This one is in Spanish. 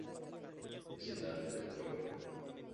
Es el arte del cuerpo.